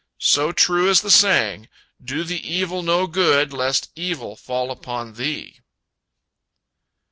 So true is the saying, "Do the evil no good, lest evil fall upon thee."